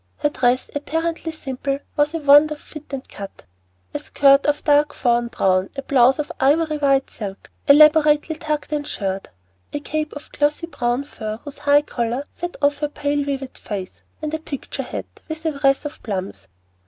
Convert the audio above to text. Her dress, apparently simple, was a wonder of fit and cut, a skirt of dark fawn brown, a blouse of ivory white silk, elaborately tucked and shirred, a cape of glossy brown fur whose high collar set off her pale vivid face, and a "picture hat" with a wreath of plumes.